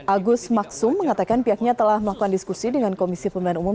agus maksum mengatakan pihaknya telah melakukan diskusi dengan komisi pemilihan umum